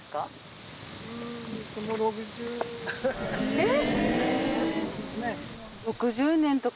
えっ！